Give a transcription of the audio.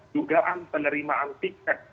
jugaan penerimaan tiket